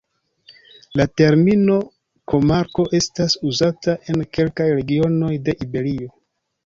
La termino komarko estas uzata en kelkaj regionoj de Iberio.